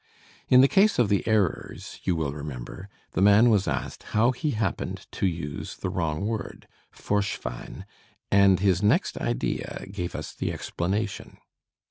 In the case of the errors, you will remember, the man was asked how he happened to use the wrong word, "vorschwein," and his next idea gave us the explanation.